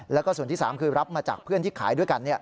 แล้วก็ส่วนที่๓คือรับมาจากเพื่อนที่ขายด้วยกัน